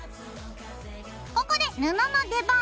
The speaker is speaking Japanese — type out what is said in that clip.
ここで布の出番。